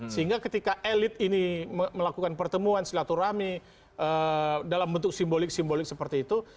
sehingga ketika elit ini melakukan pertemuan silaturahmi dalam bentuk simbolik simbolik seperti itu